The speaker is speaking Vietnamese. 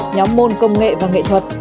nhóm môn công nghệ và nghệ thuật